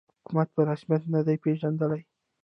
حکومت په رسمیت نه دی پېژندلی